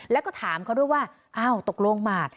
แล้วก็ถามเขาด้วยว่าอ้าวตกลงหมาก